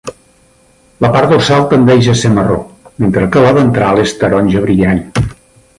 La part dorsal tendeix a ésser marró, mentre que la ventral és taronja brillant.